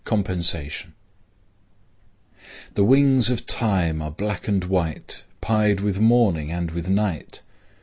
COMPENSATION The wings of Time are black and white, Pied with morning and with night.